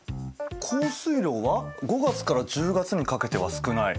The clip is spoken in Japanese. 降水量は５月から１０月にかけては少ない。